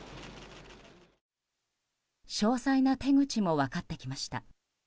詳細な手口も分かってきました。